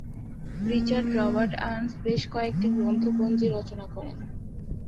Richard Robert Ernst বেশ কয়েকটি গ্রন্থপঞ্জি রচনা করেন।